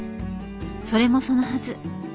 それもそのはず。